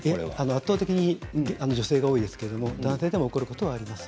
圧倒的に女性が多いですが男性でも起こることはあります。